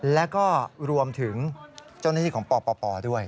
แล้วก็รวมถึงเจ้าหน้าที่ของปปด้วย